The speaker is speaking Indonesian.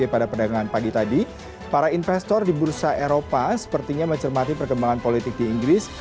pada perdagangan pagi tadi para investor di bursa eropa sepertinya mencermati perkembangan politik di inggris